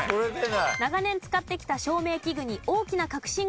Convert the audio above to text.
長年使ってきた照明器具に大きな革新が起きたのを感じた。